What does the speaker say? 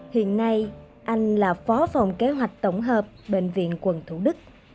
hiện nay anh là phó phòng kế hoạch tổng hợp bệnh viện quận thủ đức